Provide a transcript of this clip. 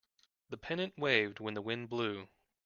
The pennant waved when the wind blew.